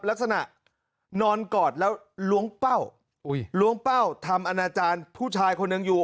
ลักษณะนอนกอดแล้วล้วงเป้าล้วงเป้าทำอนาจารย์ผู้ชายคนหนึ่งอยู่